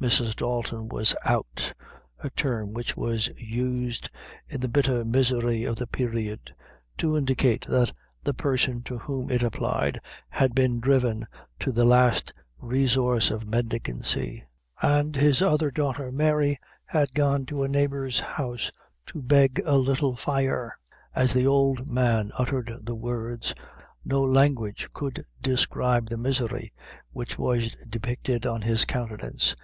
Mrs. Dalton was "out," a term which was used in the bitter misery of the period, to indicate that the person to whom it applied had been driven to the last resource of mendicancy; and his other daughter, Mary, had gone to a neighbor's house to beg a little fire. As the old man uttered the words, no language could describe the misery which was depicted on his countenance.